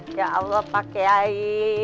ya allah pak kiai